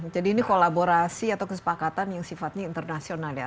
jadi ini kolaborasi atau kesepakatan yang sifatnya internasional ya